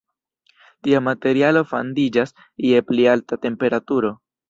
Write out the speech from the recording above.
Tia materialo fandiĝas je pli alta temperaturo.